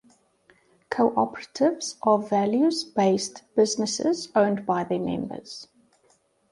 Co-operatives are values based businesses owned by their members.